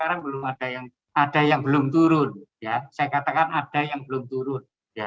sekarang belum ada yang belum turun saya katakan ada yang belum turun